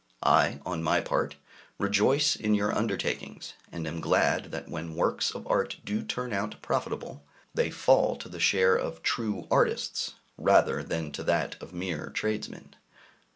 I, on my part, rejoice in your undertakings, and am glad that when works of art do turn out profitable, they fall to the share of true artists, rather than to that of mere tradesmen.